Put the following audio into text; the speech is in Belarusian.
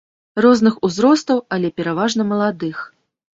Розных узростаў, але пераважна маладых.